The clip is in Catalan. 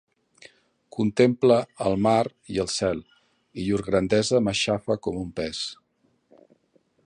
Contemple el mar i el cel, i llur grandesa m’aixafa com un pes.